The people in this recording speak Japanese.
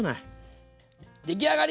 出来上がり！